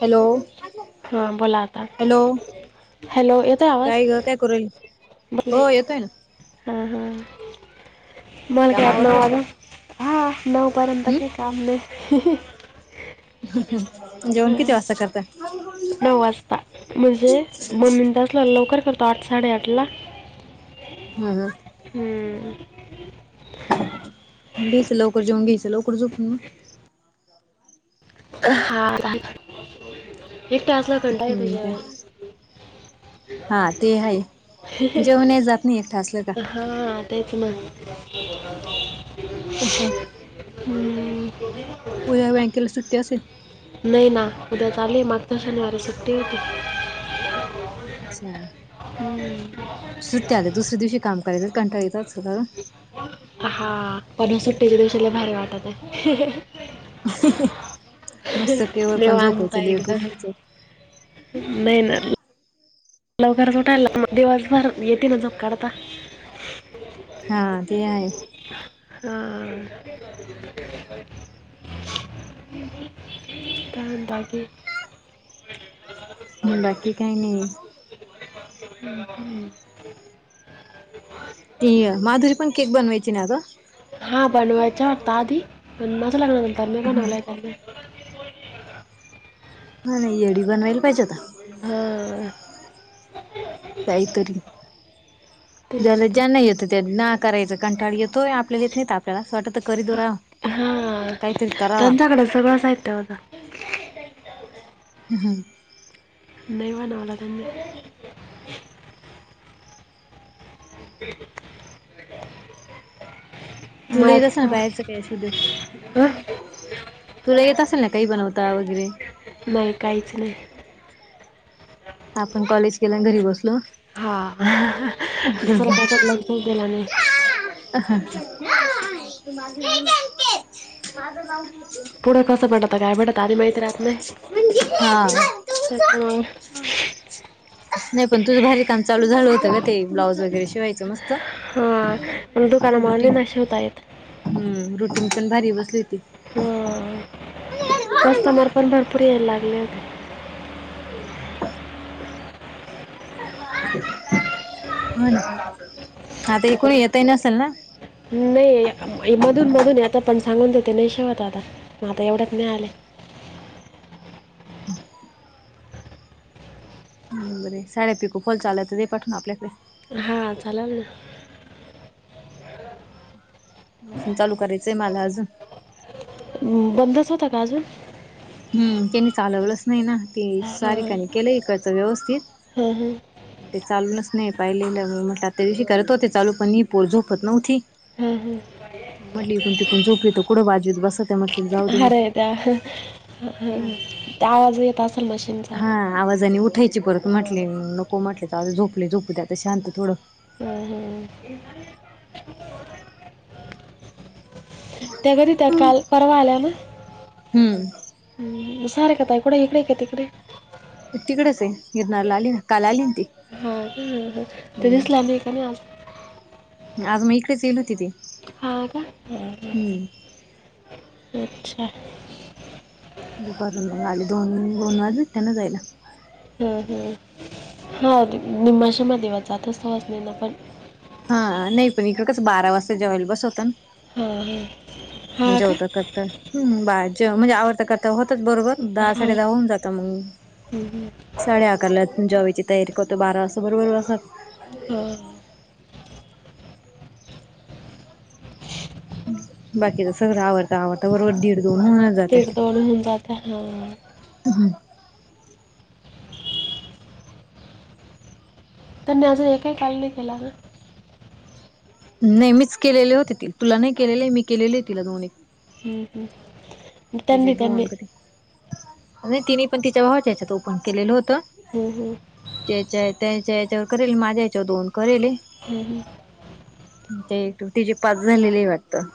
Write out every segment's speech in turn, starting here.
Hello! हां बोला आता हॅलो हॅलो येतोय आवाज काय ग काय करू राहिली? बोले हो येतोय ना. हां हां मला कामावरलं काय आता नऊ पर्यंत हम्म काम लय जेवण किती वाजता करता? नऊ वाजता म्हणजे दोन मम्मीन तास लावला लवकर करतो आठ साडेआठ ला. हम् हम! हम्म. घ्यायचं लवकर जेऊन घ्यायचं लवकर झोपून मग हा एकटा असल्याव कंटाळा येतोय हम्म काय जेवायला. हा ते आहे जेवणही जात नाही एकटा असलं का [unintelligible] हा तेच मग! [unintelligible] हम्म! उद्या बँकेला सुट्टी असेल? नाही ना उद्या चालु आहे ना मागच्या शनिवार सुट्टी होती. अच्छा हम्म. सुट्टी आल्याव दुसऱ्या दिवशी काम करायच कंटाळा येत असल का गं? हा पण सुट्टीच्या दिवशी लय भारी वाटत आहे. मस्त केवर पण निवांत झोपायचं हाय लेट एकदम. उठायचं नाय येणार. लवकरच उठायला दिवसभर येेते ना जप काढता. हा ते आहे. हा कारण तगे म बाकी काही नाही हम्म. त माधुरी पण केक बनवायची नाही ग हा बनवायचा वाटत आधी पण मजा लागणार नंतर मी बनवलाय त्या म ह नाही येडी बनवायला पाहिजे होता हम जाहीतरी हो ज्याला ज्यांना येतं त्या ना करायचं कंठाळ येतो आपल्याला येत नाही आपल्याला असं वाटत करी दऊ राव हा काहीतरी करा त्यांच्याकड सगळं साहित्य होतं ह हां नाहीवा नवला द बिलकुल तू लई रसो ना बाहेर स कासू दऊ हं? तुला येत असेल ना काही बनवता वगैरे नाही काहीच नाही आपण कॉलेज केल्या घरी बसलो हा दुसऱ्या कशात लक्ष दिल नाही अ तु माझ पुढं कसं भेटत काय भेटत आधी माहिती राहत नाही हा त्या सही नाही पण तुझं भारी काम चालू झालं होतं का ते ब्लाउज वगैरे शिवायचं मस्त हा पण दुकानामुळे नाही रुटीन ना शिवता येत हम्म रुटीन पण भारी बसली होती कस्टमर पण भरपूर यायला लागले होते. हो. आता एकू येेतही नसेल ना. नाही मधून मधून आता पण सांगून द ते नाही शेवत आता. मगं आता एवढ्यात मिळाले. [inaudible] ह बरे साड्या पिको फॉल चालू आहेत दे पाठवून आपल्याकडे. हा चालाल ना. मशीन चालू करायचंय मला अजून. बंदच होता का अजून. हम्, त्यांनी चालवलंच नाही ना ते हां सारिकानी केलं इकडचं व्यवस्थित. हां हां. ते चालूनच नाही पाहिलेलं म्हटलं आता दिवशी करत होते चालू पण ही पोर झोपत नव्हती. हां म्हणली इकडून तिकडून झोपलीत कुठं वाजवीत बसती मगं जाऊ दे हां मगं. अरे त्या त्या आवाज येत असेल मशीनचा. ह आवाजाने उठायची परत म्हटले नको म्हटले तर आ झोपले झोपूद्या आता शांत थोडं. हम हम त्या कधी त्या काल परवा आल्या ना. हम्म हम्, सारिका ताई कुठाय इकडे का तिकडे. तिकडेच आहे इरणारार ला आली ना काल आली ती. हा ह ते दिसला हम्म नाही कां ना आज. आज मी इकडेच येल ती ती. हां का हम्म अच्छा. करून आली दोन दोन वाज त्यांना जायला. हम्म हम्म हां मशीनमध्ये [unintelligible] दिवाचात सवयज नाही ना पण. हां नई पण इकडं कस बारा वाजता जेवायला बसवता हा हा ना हा का जेवता कस. त हं बाय जे म्हणजे आवडता कर. होतच बरोबर दहा हा साडे दहा होऊन जात मग हम्म. साडे अकारला. जेवायची तयारी करतो बारा असं बरोबर बसात. हम. बाकीच सगरं आवरता आवरता वरोवर दिड. ते दोन जाता हां हां. अ हूं. त्यांनी आजू एकही कॉल नई केला ना? नई मीच केलेले होते ते तुला नाही केलेले मी केलेले तिला दोन एक. हम हम. तिजे दोन कधी? नाय तिनि पण तिच्या भावाच्या याच्यात ओपन केलेलं होतं. हो हो. त्याच्या त्याच्या याच्यावर करेल माझ्या याच्यावर दोन करेले. हम् ह. ते तिचे पाच झालेले ये वाटतं.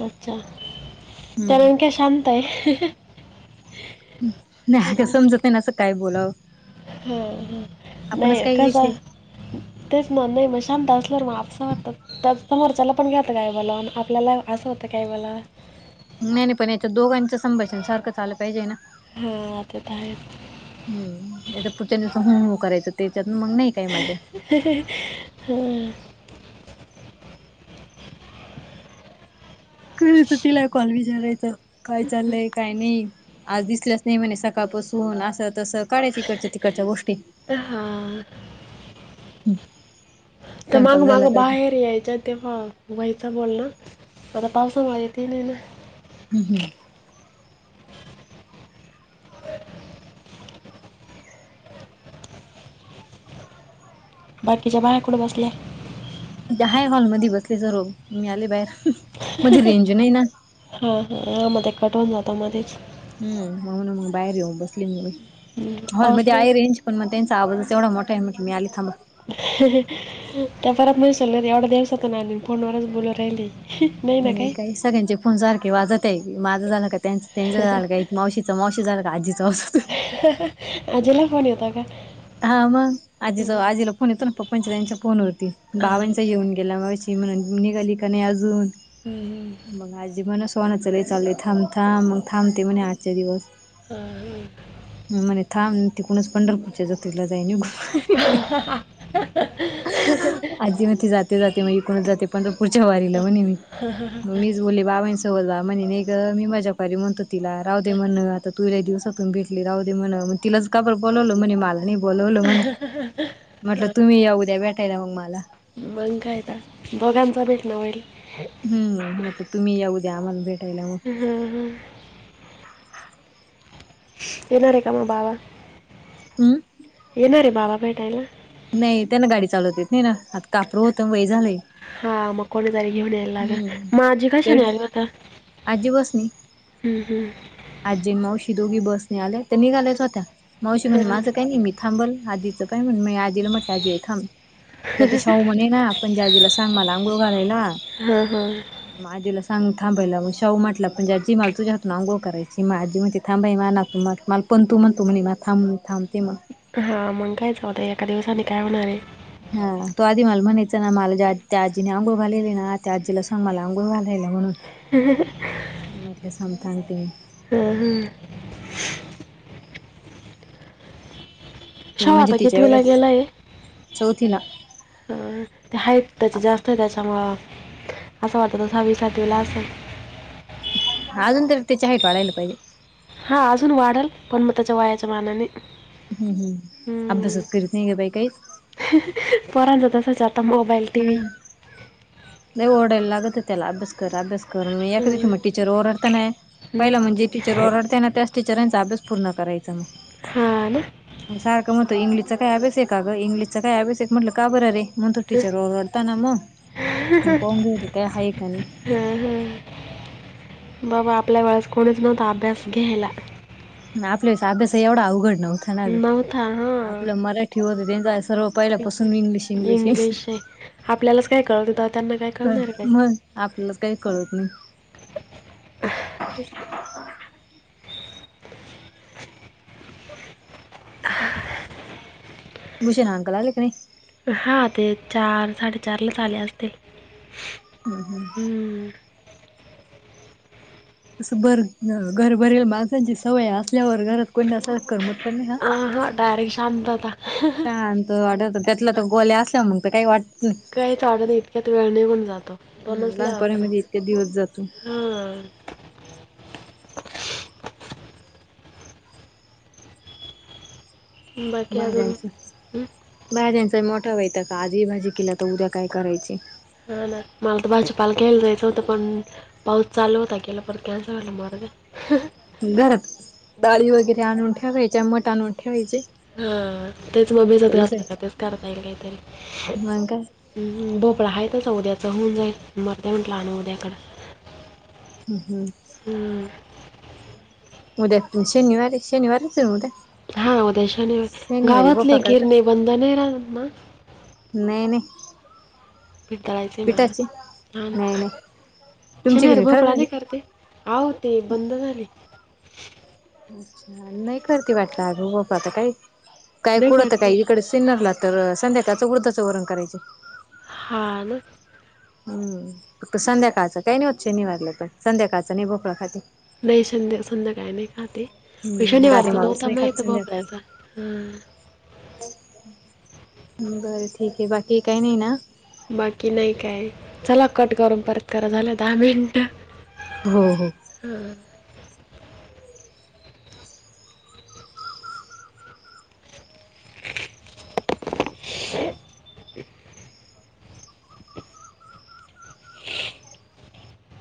अच्छा! कारण हम्म की शांत आहे. नाही का समजत नाय ना असं काय बोलावं. हो ह आपणच नाही काही कसा. विषय तेच ना नाही म शांत असल्यावर म आपसा वाटतात. तर समोरच्याला पण ह्यात काय बोलाव न आपल्याला आसं होतं काय बोलाव. नाही नाही पण याच्या दोघांच संभाषण सारखंच आलं पाहिजे ना? हां ते त आहेच. हम् नायत पुढच्यानि नुसतं हूं हूं करायचं तेच्यात मंग नाई काई मजा. [unintelligible] करायचं तिला कॉल विचारायच काय चाललंय काय नई. आज दिसल्याच नाही. म्हणे सकाळपासून आसं तसं. काढयची इकडच्या तिकडच्या गोष्टी. हा त स्वयंपाक मांग माग झाला काय बाहेर यायच्यात. तेव्हा व्हायचं बोलण? मला फारस माहिती नाही ना. हम् हम्. बाकिच्या बायाकुडं बसल्या? त्या हाय हॉलमध्ये बसले सर्व मी आले बाहेर. हं मध्ये रेंज नाही ना हं हं हा हा मध्ये कटवून जातो मधेच. हम् म्हणून मग बाहेर येऊन बसले मी. हम्म, पाऊस हॉलमध्ये नाही आहे रेंज? पण म त्यांचा आवाजच ऐवढा मोठा आहे म्हट- मी आली थांबा. त्या परत म्हणशील एवढ्या दिवसातून आली नी आणि फोनवरच बोलू राहिली. नाही ना नाई काय काही सगळ्यांचे फोन सारखे वाजत आहे. माझं झालं का त्यांच त्यांच झालं का मावशीचा मावशी झाला का आजीचा असतोय. आजीला फोन येतो का? हां म आजीचा आजीला फोन येतो ना पप्पांच्या त्यांच्या फोनवरती हां, बाबांचा येऊन गेला मगाशी. ती म्हणल निघाली का नाई आजून हम्म, मग आजी म्हणस पोरांचं लय चाललयं थांब थांब मंग थांबते म्हणे आजच्या दिवस. हा. म म्हणे थांब तिकुणचं पंढरपूरच्या जत्रेला जाय निऊ. हः ह हा. आजी म्हणते जाते जाते मग एकूणच जाते पंढरपूरच्या वारीला म्हणे मी म मी ती बोलली बाबांसोबत जा नायग मी माझ्या परी म्हणतो तिला राहूदे म्हण आता तु लया दिवसातून भेटली राहूदे म्हण मग तिलाच का बर बोलावलं म्हणे मला नाही बोलवल म्हण म्हटलं तुम्ही या उद्या भेटायला मग मला मग काय तर दोघांचा भेट ना होईल. हम म्हणते तुम्ही या ऊद्या आम्हाला भेटायला मग हा ह येणार आहे का मग बाबा हम येणार रे बाबा भेटायला. नाही त्यांना गाडी चालवत येत नाही ना आता कापरू होतं वय झालंय हा म कोणीतरी घेऊन यायला हम्म लागलं माझी काय शनिवारी तेवढी आली होता आजी बसनी हम् हम् आजी मावशी दोघी बसने आले होत्या निघालायच होत्या मावशी म्हणे हां. माझं कायन मी थांबल आजीचं काय माहित मी आजीला म्हटलं आजे थांब. त्यात शाहू म्हणे राहा पणजी आजीला सांग मला अंंगोळ घालायला हां हां म आजीला सांग थांबायला मग शाहू म्हटलं पणजी आजी मला तुझ्याहातान अंघोळ करायची मग आजी म्हणती थांबाय माझ्या नातं मग मला पंतु म्हणतो म्हणे मला थांब मग थांबते मग हा मग कायच न्हवत एका दिवसानी काय होणार आहे. हा तो आधी मला म्हणायचं ना मला त्या आजीने आंघोळ घलेली ना त्या आजीला हासांग मला अंघोळ घालायला म्हणून ह [unintelligible] [unintelligible] हं. तिने छावा म्हणजे आता तिच्या कितवीला एवढ्याच घेलाय चौथीला. ते हाईट त्याची जास्त आहे त्याच्यामुळ असं वाटतं तसावीसातला असं अजून तर त्याच्या हईट वाढायला पाहिजे. हा अजून वाढल पण मग त्याच्या वयाच्या मानाने हम् हम् अभ्यासात करीत नाही ग बाई काही पोरांच तस चालत मोबाईल टीव्ही नाही ओरढायला लागत त्याला अभ्यास कररा अभ्यास करून मी एका दिवशी मग टीचर ओरडता नाही पहिलं म्हणजे टीचर ओरडताना त्याच टीचरांचा अभ्यास पूर्ण करायचा हा ना सारखं मग इंगलिश चा काय अभेस काग इंग्िश काही अभ्यास एक म्हटलं का बरे म्हणट टीचर र वारताना म म कोंग काय हा काणी हां ह बाबा आपल्या वेळेस कोणीच नव्हता अभ्यास घ्यायला. ना आपल्या अभ्यास एवढा अवघड नव्हतां नाग नव्हता आपलं हा मराठी होत त्यांचा सर्व पहिल्यापासून इंग्लिश इंग्लिश आपल्यालाच काय कळत होतं त्यांना काय कळणार मग आपल्याला काही कळत नाही. अ [unintelligible] गुष नाांकला ललेकणे हां ते चार साडे चार लसलेते. हम् हम् [inaudible] असं बर घरभरेल माणसांची सवय असल्यावर गर कोणी करत नाही ह आ हा डायरेक्ट शांतता शत वाट घेतलं तर गो अस मग काही वाटत नाही काहीच वाटत नाही इतक्यात वेळ निघून जातो हम् लहानपणीमध्ये इतके दिवस जातो. हममम बाकी अजून भहिजनस हं? भाहिजनसं मोटव आहे त काजी भाजी कला तर उ ज काय करयची. हा ना मला तर भाजपाला केलं जायचं होतं पण पाऊस चालू होता गला पर कॅन्सल झालं मारत. गरम डाळी वगैरे आणून ठेवायचेमट आणून ठेवायचे. हा तेच मग भिजत घातलं का मग तेच करता येईल काय काहीतरी भोपळा आहेतच उद्याचं होऊन जाईल मरत म्हटलं आणि उद्याकडं. ह हं हम्म मद्या शनिवारी शनिवारचर उदया? हा उद्याशाने गावातले करता. गिरणे बंध नाही राहत ना? नाही नाही. पीठधळायचं आहे पिठाची मला हा नाही ना नाही तुमची शनर घरी खराब बपळा झाली. नाही करते. होह ते बंद झाले. अच्छा नाही करती वाटत अ गता काही काय नाही कुडंत करते काही इकडे सिन्नरला तर संध्याकाळचं उर्धचं वरण करायचे. हा ना. हम् फक्त संध्याकाळचं काही नाही होश निवारलं तरण संध्याकाळचं नाही भोकळा खात नाही संध्या संध्या काय नाही खाते हम्म दादी पैशानीवारत मावस नव्हता नाही खात माहित संध्याकाळी भोपऱ्याचा ह बरं ठीक आहे बाकी काही नाही ना? बाकी नाही काय चला कट करून परत करा झालं दहा मिनिट. हो हो हां ह [unintelligible]